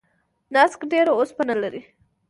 نسک ډیر اوسپنه لري.